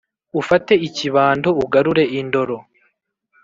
Ufate ikibando ugarure indoro